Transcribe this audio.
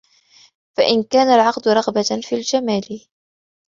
فَإِنْ كَانَ الْعَقْدُ رَغْبَةً فِي الْجَمَالِ